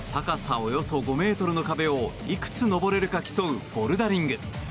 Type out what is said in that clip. およそ５ｍの壁をいくつ登れるか競うボルダリング。